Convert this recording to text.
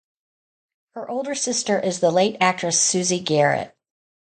Her older sister is the late actress Susie Garrett.